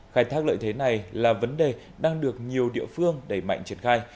khai thác lợi thế này là vấn đề đang được nhiều địa phương đẩy mạnh triển khai